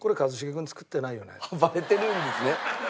バレてるんですね。